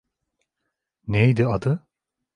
Neydi adı?